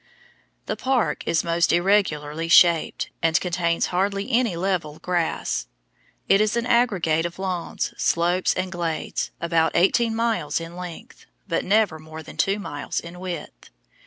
The park is most irregularly shaped, and contains hardly any level grass. It is an aggregate of lawns, slopes, and glades, about eighteen miles in length, but never more than two miles in width.